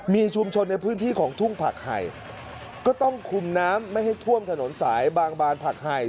มีชุมชนในพื้นที่ของทุ่งผักไห่ก็ต้องคุมน้ำไม่ให้ท่วมถนนสายบางบานผักไห่